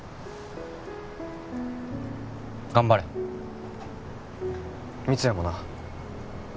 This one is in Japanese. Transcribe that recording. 頑張れ光也もな